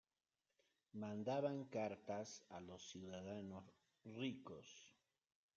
Mandaban cartas a los ciudadanos ricos.